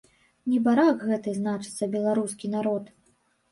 Небарак гэты, значыцца, беларускі народ.